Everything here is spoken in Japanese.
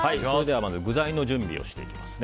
まず具材の準備をしていきますね。